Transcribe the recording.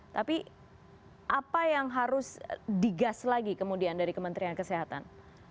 tapi apa yang harus digas lagi kemudian dari kementerian kesehatan